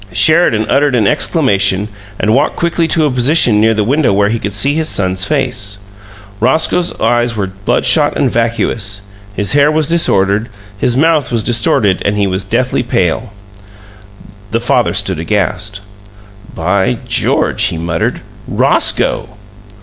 Sheridan uttered an exclamation and walked quickly to a position near the window where he could see his son's face. Roscoe's eyes were bloodshot and vacuous; his hair was disordered, his mouth was distorted, and he was deathly pale. The father stood aghast. "By George!" he muttered. "ROSCOE!"